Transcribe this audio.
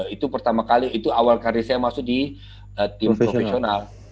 itu pertama kali itu awal karir saya masuk di tim profesional